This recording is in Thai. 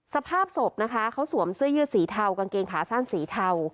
สภาพศพนะคะเขาสวมเสื้อยืดสีเทากางเกงขาสั้นสีเทา